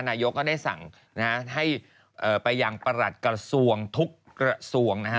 นายกก็ได้สั่งนะฮะให้ไปยังประหลัดกระทรวงทุกกระทรวงนะฮะ